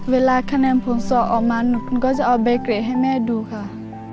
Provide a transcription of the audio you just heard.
เวลาคะแนนผลสอบออกมาหนูก็จะเอาใบเกรดให้แม่ดูค่ะ